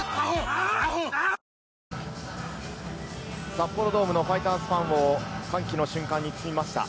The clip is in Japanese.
札幌ドームのファイターズファンを歓喜の瞬間に包みました。